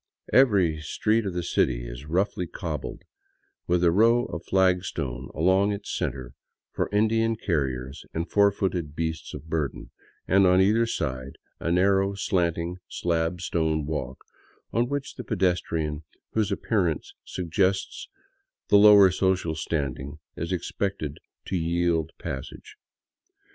Every street of the city is roughly cobbled, with a row of flagstones along its center for Indian carriers and four footed beasts of burden, and on either side a narrow, slanting slab stone walk on which the pedestrian whose appearance suggests the lower social standing is ex pected to yield the passage.